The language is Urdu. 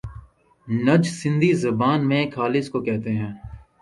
نج سندھی زبان میں خالص کوکہتے ہیں۔